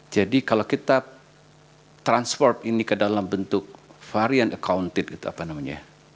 jadi kalau kita transform ini ke dalam bentuk variant accounting